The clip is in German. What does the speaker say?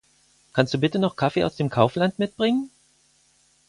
Kannst du bitte noch Kaffee aus dem Kaufland mitbringen?